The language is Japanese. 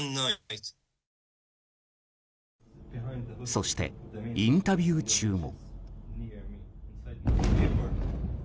そして、インタビュー中も。